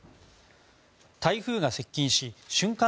台風が接近し瞬間